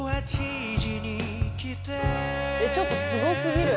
「ちょっとすごすぎる。